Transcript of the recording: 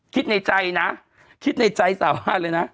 คิดในใจนะคิดในใจสาบานเลยนะ